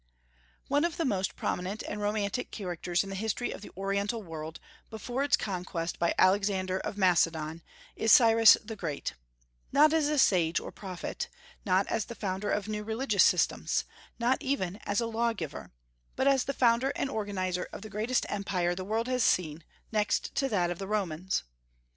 One of the most prominent and romantic characters in the history of the Oriental world, before its conquest by Alexander of Macedon, is Cyrus the Great; not as a sage or prophet, not as the founder of new religious systems, not even as a law giver, but as the founder and organizer of the greatest empire the world has seen, next to that of the Romans.